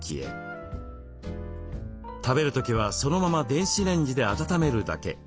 食べる時はそのまま電子レンジで温めるだけ。